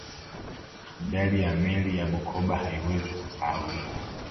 ajali ya meli ya bukoba haiwezi kusahaulika